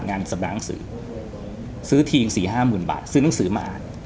งานสำนางสือซื้อทีสี่ห้าหมื่นบาทซื้อหนังสือมาอ่าน